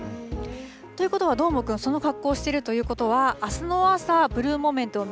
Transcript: ということは、どーもくん、その格好をしているということは、あすの朝、ブルーモーメントを見